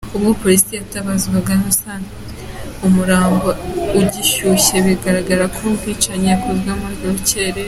Ubwo polisi yatabazwaga yasanze umurambo ugishyushye bigaragara ko ubu bwicanyi bwakozwe mu rukerera.